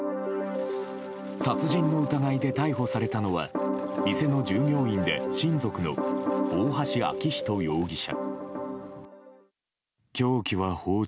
殺人の疑いで逮捕されたのは店の従業員で親族の大橋昭仁容疑者。